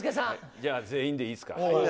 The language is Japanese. じゃあ、全員でいいですか。